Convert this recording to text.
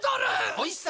おいしさ